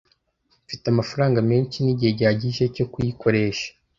Mfite amafaranga menshi nigihe gihagije cyo kuyikoresha.